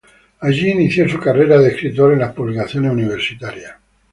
Allí inició su carrera de escritor en las publicaciones universitarias.